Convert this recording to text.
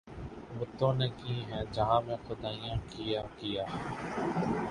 بتوں نے کی ہیں جہاں میں خدائیاں کیا کیا